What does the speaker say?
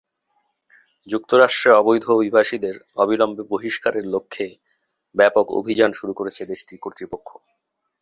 যুক্তরাষ্ট্রে অবৈধ অভিবাসীদের অবিলম্বে বহিষ্কারের লক্ষ্যে ব্যাপক অভিযান শুরু করেছে দেশটির কর্তৃপক্ষ।